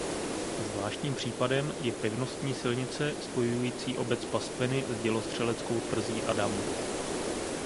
Zvláštním případem je pevnostní silnice spojující obec Pastviny s dělostřeleckou tvrzí Adam.